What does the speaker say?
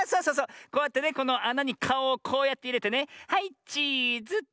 こうやってねこのあなにかおをこうやっていれてねはいチーズ。いやちがうちがうちがう。